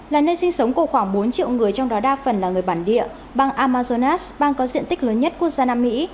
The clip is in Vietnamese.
là nơi sinh sống của khoảng bốn triệu người trong đó đa phần là người bản địa bang amazonas bang có diện tích lớn nhất quốc gia nam mỹ